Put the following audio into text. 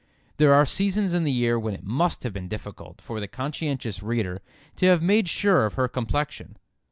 There are seasons in the year when it must have been difficult for the conscientious reader to have made sure of her complexion.